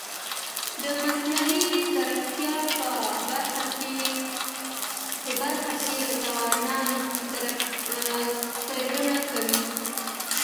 د مصنوعي ځیرکتیا په برخه کي ځوانان څيړني کوي.